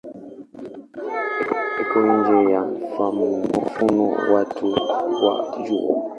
Iko nje ya mfumo wetu wa Jua.